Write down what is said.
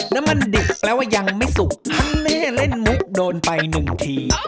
น้ำมันดิบแปลว่ายังไม่สุกทั้งแม่เล่นมุกโดนไปหนึ่งที